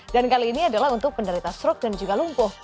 dan kali ini adalah untuk penderita stroke dan juga lumpuh